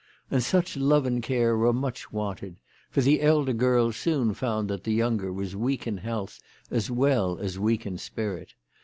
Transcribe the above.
And such love and care were much wanted, for the elder girl soon found that the younger was weak in health as well as weak in spirit.